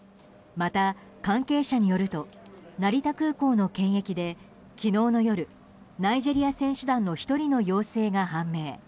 また、関係者によると成田空港の検疫で昨日の夜、ナイジェリア選手団の１人の陽性が判明。